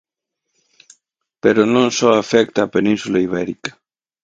Pero non só afecta a Península Ibérica.